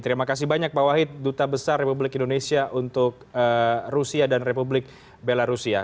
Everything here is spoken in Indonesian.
terima kasih banyak pak wahid duta besar republik indonesia untuk rusia dan republik belarusia